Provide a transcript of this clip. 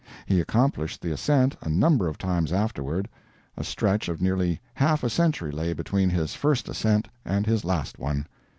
He accomplished the ascent a number of times afterward. A stretch of nearly half a century lay between his first ascent and his last one.